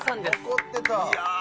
残ってた。